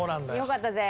よかったぜ。